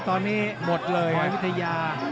ต้องมีสอกอย่างเนี้ยต้องสอกเข้าไปได้เรื่อยแล้วแหม